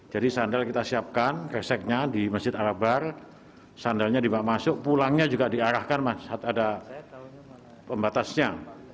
jadi sandal kita siapkan reseknya di masjid al akbar sandalnya dibawa masuk pulangnya juga diarahkan mas ada pembatasnya